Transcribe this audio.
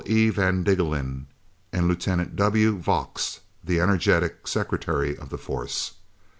E. van Diggelen and Lt. W. Vogts, the energetic Secretary of the Force.